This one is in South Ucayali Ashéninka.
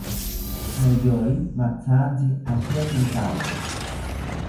Noyori mathantzi ashetzinkawo